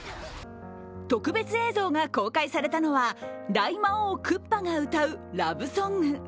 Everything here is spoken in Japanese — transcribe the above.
特別映像が公開されたのは、大魔王クッパが歌うラブソング。